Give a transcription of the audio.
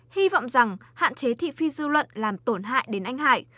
hy vọng rằng hạn chế thị phi dư luận làm tổn hại đến anh hải